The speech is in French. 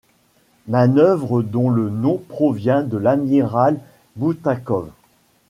Manœuvre dont le nom provient de l’amiral Boutakov.